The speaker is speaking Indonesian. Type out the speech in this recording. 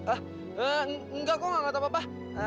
enggak kok gak tau apa apa